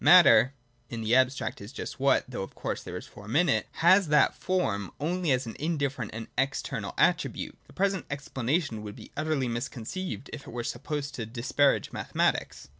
Matter, in the abstract, is just what, though of course there is form in it, has that form only as an indifferent and external attribute. The present explanation would be utterly misconceived if it were supposed to disparage mathematics.